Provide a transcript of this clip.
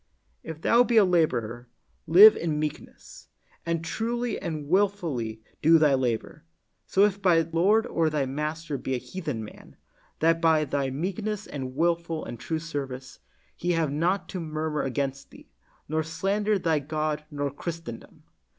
If thou be a laborer, live in meekness, and truly and wilfully do thy labor; so if thy lord or thy master be a heathen man, that by thy meekness and wilful and true service, he have not to murmur against thee, nor slander thy God nor Christendom.